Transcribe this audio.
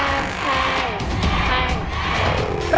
แพงแพง